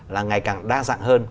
là ngày càng đa dạng hơn